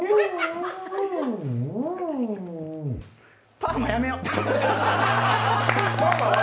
パーマやめよう。